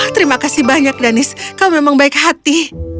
terima kasih banyak danis kau memang baik hati